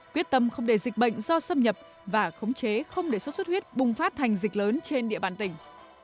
quyết tâm không để dịch bệnh do xâm nhập và khống chế không để xuất xuất huyết bùng phát thành dịch lớn trên địa bàn tỉnh